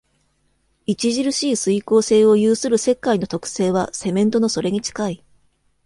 著しい水硬性を有する石灰の特性はセメントのそれに近い。